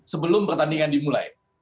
sebelum pertandingan dimulai